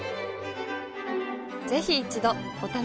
ぜひ一度お試しを。